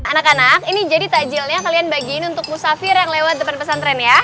anak anak ini jadi tajilnya kalian bagiin untuk musafir yang lewat depan pesantren ya